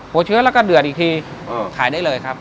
เชื้อแล้วก็เดือดอีกทีขายได้เลยครับ